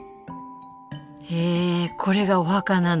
へえこれがお墓なの？